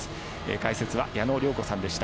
解説は矢野良子さんでした。